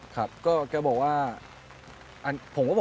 คุณต้องเป็นผู้งาน